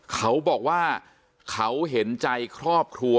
เขาบอกว่าเขาเห็นใจครอบครัว